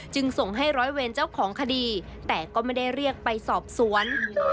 จึงส่งให้ร้อยเวรเจ้าของคดีแต่ก็ไม่ได้เรียกไปสอบสวน